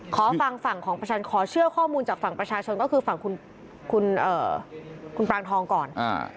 ขอฟังฝั่งของประชันขอเชื่อข้อมูลจากฝั่งประชาชนก็คือฝั่งคุณปรางทองก่อน